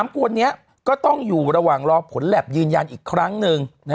๓คนนี้ก็ต้องอยู่ระหว่างรอผลแล็บยืนยันอีกครั้งหนึ่ง